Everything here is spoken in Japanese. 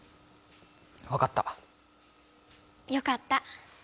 わかった！よかった！